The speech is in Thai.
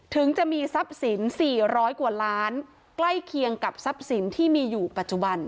ถึงจะมีทรัพย์สิน๔๐๐กว่าล้านใกล้เคียงกับทรัพย์สินที่มีอยู่ปัจจุบัน